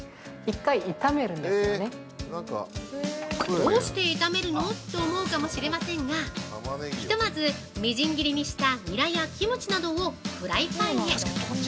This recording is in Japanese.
◆どうして炒めるの？って思うかもしれませんがひとまず、みじん切りにしたニラやキムチなどをフライパンへ。